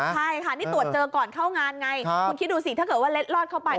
ใช่ค่ะนี่ตรวจเจอก่อนเข้างานไงคุณคิดดูสิถ้าเกิดว่าเล็ดลอดเข้าไป